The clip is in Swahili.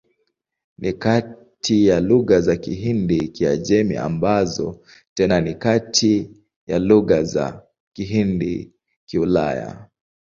Ni kati ya lugha za Kihindi-Kiajemi, ambazo tena ni kati ya lugha za Kihindi-Kiulaya.